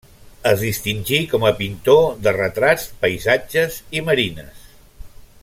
Es distingí com a pintor de retrats, paisatges i marines.